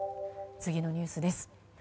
次のニュースです。